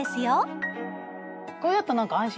これだとなんか安心。